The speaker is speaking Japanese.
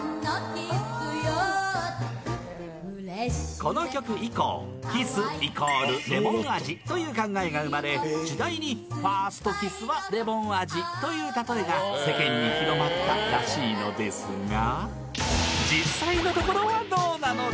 この曲以降キス＝レモン味という考えが生まれ次第にファーストキスはレモン味というたとえが世間に広まったらしいのですが実際のところはどうなのか？